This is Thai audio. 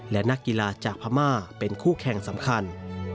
และนักกีฬาจากพม่าเป็นคู่แข่งสำคัญ